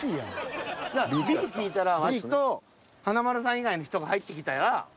Ｂ聞いたらワシと華丸さん以外の人が入ってきたら。